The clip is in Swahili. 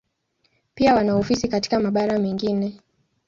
Pia wana ofisi katika mabara mengine.